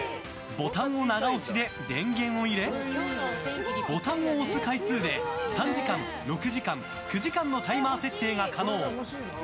ボタン長押しで電源を入れボタンを押す回数で３時間、６時間、９時間のタイマー設定が可能。